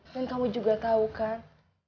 dan kamu juga tau kan